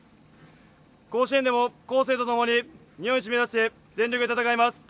甲子園でも孝成とともに日本一目指して全力で戦います。